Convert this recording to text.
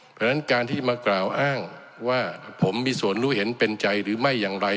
เพราะฉะนั้นการที่มากล่าวอ้างว่าผมมีส่วนรู้เห็นเป็นใจหรือไม่อย่างไร